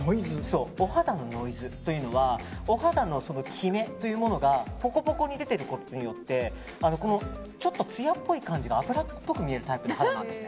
お肌のノイズというのはお肌のきめというものがポコポコに出ていることによってつやっぽい感じが脂っぽく見えるタイプの方なんです。